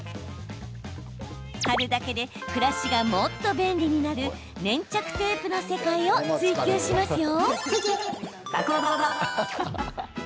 貼るだけで暮らしがもっと便利になるテープの世界を追求しますよ。